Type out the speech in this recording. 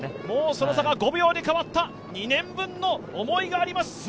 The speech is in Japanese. もうその差が５秒に変わった、２年分の思いがあります